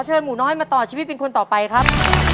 หมูน้อยมาต่อชีวิตเป็นคนต่อไปครับ